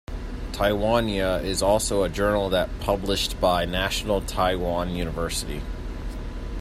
Taiwania is also a journal that published by National Taiwan University.